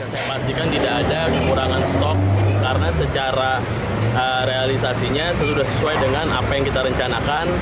saya pastikan tidak ada kekurangan stok karena secara realisasinya sudah sesuai dengan apa yang kita rencanakan